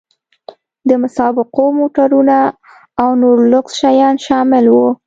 د مسابقو موټرونه او نور لوکس شیان شامل وو.